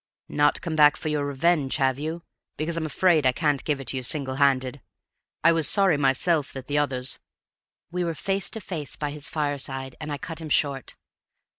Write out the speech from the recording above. "Not come back for your revenge, have you? Because I'm afraid I can't give it to you single handed. I was sorry myself that the others " We were face to face by his fireside, and I cut him short.